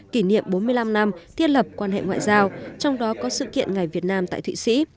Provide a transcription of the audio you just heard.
kỷ niệm bốn mươi năm năm thiết lập quan hệ ngoại giao trong đó có sự kiện ngày việt nam tại thụy sĩ